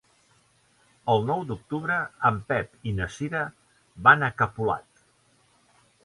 El nou d'octubre en Pep i na Cira van a Capolat.